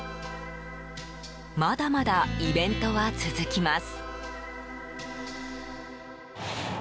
まだまだイベントは続きます。